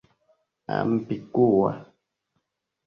ambigua